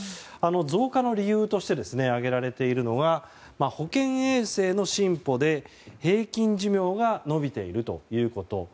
増加の理由として挙げられているのが保健衛生の進歩で平均寿命が延びているということ。